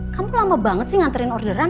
kamu lama banget sih nganterin orderan